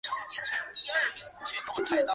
该地区的文明以丰富的墓葬而闻名。